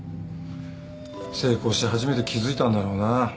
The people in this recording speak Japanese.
成功し初めて気付いたんだろうな。